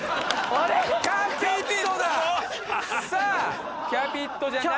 さあキャピットじゃないみたい。